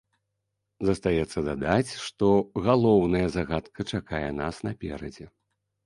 Застаецца дадаць, што галоўная загадка чакае нас наперадзе.